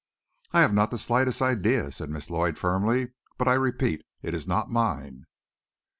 "I have not the slightest idea," said Miss Lloyd firmly; "but, I repeat, it is not mine."